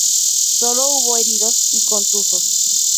Sólo hubo heridos y contusos.